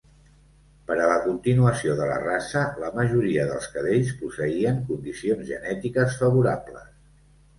Per a la continuació de la raça, la majoria dels cadells posseïen condicions genètiques favorables.